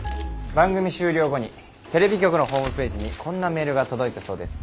番組終了後にテレビ局のホームページにこんなメールが届いたそうです。